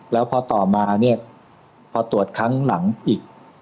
แล้วพอต่อมาเนี่ยพอตรวจครั้งหลังอีก